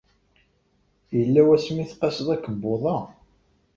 Yella wasmi ay tqasseḍ akebbuḍ-a?